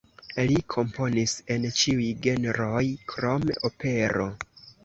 Li komponis en ĉiuj genroj krom opero.